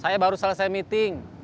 saya baru selesai meeting